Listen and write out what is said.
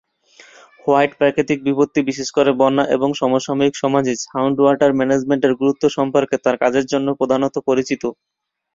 White প্রাকৃতিক বিপত্তি, বিশেষ করে বন্যা এবং সমসাময়িক সমাজে সাউন্ড ওয়াটার ম্যানেজমেন্টের গুরুত্ব সম্পর্কে তাঁর কাজের জন্য প্রধানত পরিচিত।